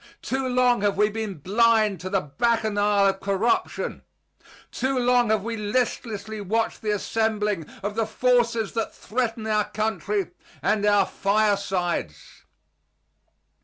Too long have we been blind to the bacchanal of corruption. Too long have we listlessly watched the assembling of the forces that threaten our country and our firesides.